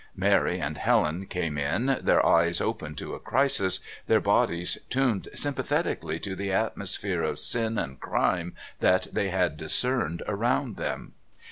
Mary and Helen came in, their eyes open to a crisis, their bodies tuned sympathetically to the atmosphere of sin and crime that they discerned around them.